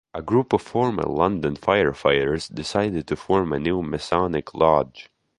A group of former London Firefighters decided to form a new Masonic Lodge.